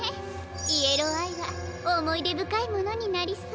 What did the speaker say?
イエローアイはおもいでぶかいものになりそう。